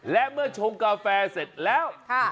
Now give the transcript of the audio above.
และเมื่อชงกาแฟเสร็จแล้ว